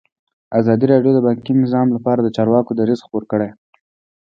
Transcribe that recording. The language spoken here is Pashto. ازادي راډیو د بانکي نظام لپاره د چارواکو دریځ خپور کړی.